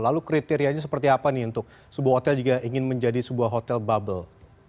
lalu kriterianya seperti apa nih untuk sebuah hotel juga ingin menjadi sebuah hotel bubble